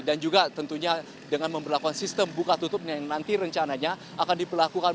dan juga tentunya dengan memperlakukan sistem buka tutup yang nanti rencananya akan diperlakukan